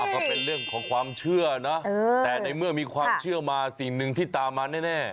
ก็เป็นเรื่องของความเชื่อนะแต่ในเมื่อมีความเชื่อมาสิ่งหนึ่งที่ตามมาแน่